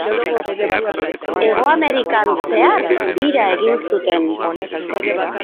Hego Amerikan zehar bira egin zuten.